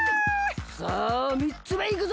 さあみっつめいくぞ！